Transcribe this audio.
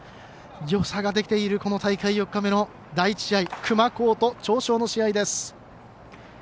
よさが出ている大会４日目の第１試合熊工と長商の試合です。